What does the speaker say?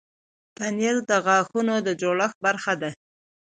پنېر د غاښونو د جوړښت برخه ده.